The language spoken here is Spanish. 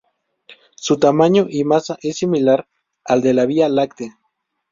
Su tamaño y masa es similar al de la Vía Láctea.